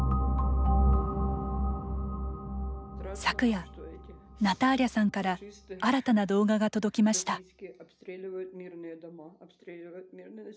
昨夜、ナターリャさんから新たな動画が届きました。